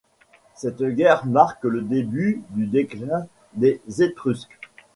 Cette guerre marque le début du déclin des Étrusques.